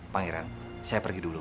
pangeran saya pergi dulu